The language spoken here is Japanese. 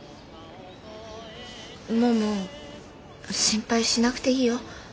もも心配しなくていいよ。